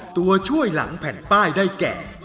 ตัวช่วยหลังแผ่นป้ายได้แก่